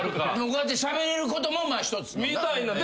こうやってしゃべれることもまあ一つのな。